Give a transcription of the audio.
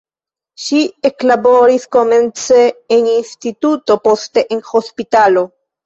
Ŝi eklaboris komence en instituto, poste en hospitalo.